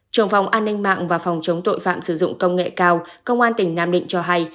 trường phòng an ninh mạng và phòng chống tội phạm sử dụng công nghệ cao công an tỉnh nam định cho hay